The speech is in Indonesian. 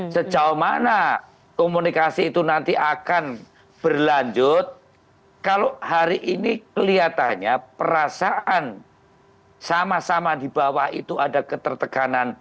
sejauh mana komunikasi itu nanti akan berlanjut kalau hari ini kelihatannya perasaan sama sama di bawah itu ada ketertekanan